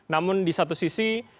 namun di satu sisi